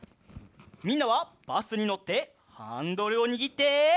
みんなはバスにのってハンドルをにぎって。